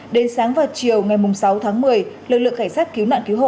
đến sáng và chiều ngày sáu tháng một mươi lực lượng khảnh sát cứu nạn cứu hộ